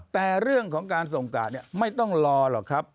แต่เรื่องของการส่งกะเนี่ยไม่ต้องรอหรอกครับ